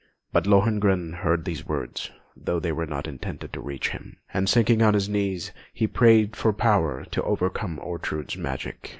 But Lohengrin heard these words, though they were not intended to reach him, and sinking on his knees, he prayed for power to overcome Ortrud's magic.